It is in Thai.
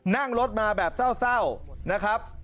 นั่งรถมาแบบเศร้านะครับ